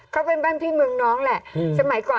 เขาเป็นบ้านพี่เมืองน้องแหละ